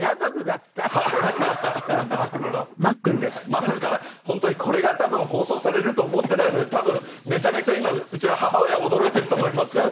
まさか本当にこれが多分放送されると思っていないので多分めちゃめちゃ今うちの母親は驚いていると思いますよ。